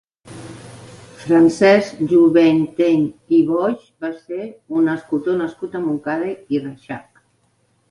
Francesc Juventeny i Boix va ser un escultor nascut a Montcada i Reixac.